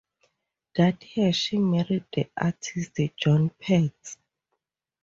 That year she married the artist John Petts.